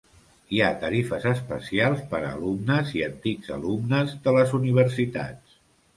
Hi ha tarifes especials per a alumnes i antics alumnes de les universitats.